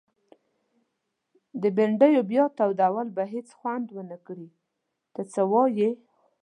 د بنډیو بیا تودول به هيڅ خوند ونکړي ته څه وايي؟